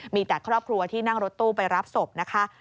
มีแต่ครอบครัวที่นั่งรถตู้ไปรับศพนะคะ